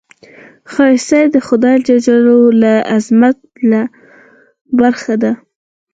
ښایست د خدای له عظمت نه برخه ده